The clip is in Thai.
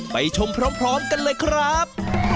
ไปชมพร้อมกันเลยครับ